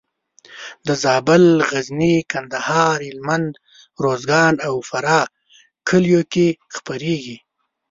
د زابل، غزني، کندهار، هلمند، روزګان او فراه کلیو کې خپرېږي.